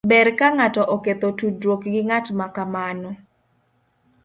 Ber ka ng'ato oketho tudruok gi ng'at ma kamano.